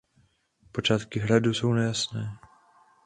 Počátky hradu jsou nejasné.